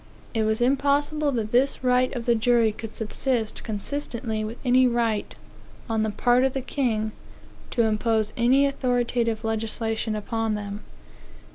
It was impossible that this right of the jury could subsist consistently with any right, on the part of the king, to impose any authoritative legislation upon them.